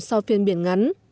sau phiên biển ngắn